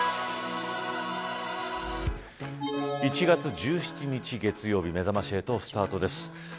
１月１７日、月曜日めざまし８スタートです。